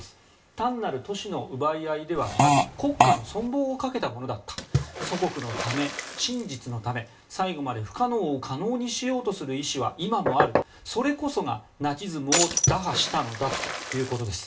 単なる都市の奪い合いではなく国家の存亡をかけたものだった祖国のため、真実のため最後まで不可能を可能にしようとする意思は今もあるそれこそがナチズムを打破したのだということです。